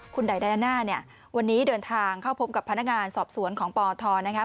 คุณดัยไดน่าวันนี้เดินทางเข้าพบกับพนักงานสอบสวนของปธนะคะ